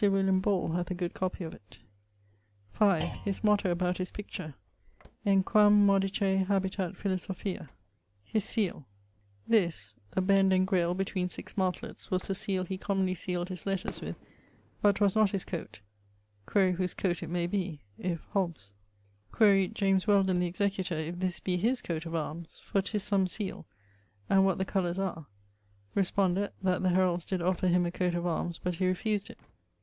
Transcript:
William Ball hath a good copie of it. His motto about his picture: En quam modicè habitat philosophia. <_His seal._> This ..., a bend engrailed between 6 martletts ..., was the seale[FV] he commonly sealed his letters with, but 'twas not his coate. Quare whose coate it may be if Hobbes? Quaere James Wheldon the executor if this be his coate of armes for 'tis some seale and what the colours are. Respondet that the heralds did offer him a coat of armes but he refused it.